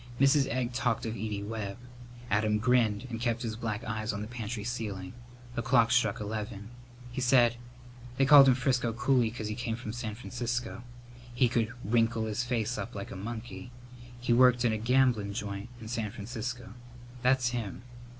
Mrs. Egg talked of Edie Webb. Adam grinned and kept his black eyes on the pantry ceiling. The clock struck eleven. He said, "They called him Frisco Cooley 'cause he came from San Francisco. He could wrinkle his face up like a monkey. He worked in a gamblin' joint in San Francisco. That's him."